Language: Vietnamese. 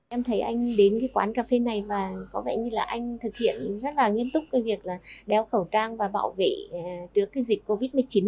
em thấy anh đến cái quán cà phê này và có vẻ như là anh thực hiện rất là nghiêm túc cái việc là đeo khẩu trang và bảo vệ trước cái dịch covid một mươi chín